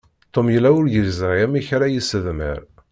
Tom yella ur yeẓri amek ara isedmer.